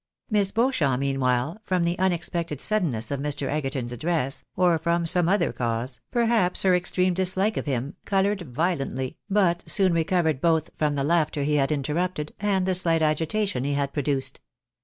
Miss Beauchamp, meanwhile, from the unexpected suddenness of Mr. Egerton's address, or from some other cause, perhaps her extreme dislike of him, coloured violently, but soon recovered both from the laughter he had interrupted, and the slight agitation he had produced.